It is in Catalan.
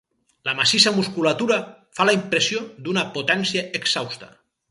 La massissa musculatura fa la impressió d'una potència exhausta.